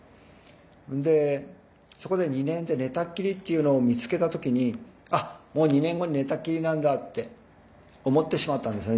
でそこで２年で寝たっきりっていうのを見つけた時に「あっもう２年後に寝たっきりなんだ」って思ってしまったんですね